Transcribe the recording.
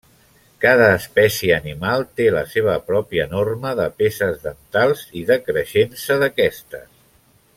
Cada espècie animal té la seva pròpia norma de peces dentals i de creixença d'aquestes.